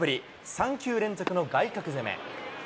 ３球連続の外角攻め。